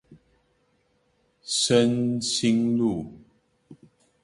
深興路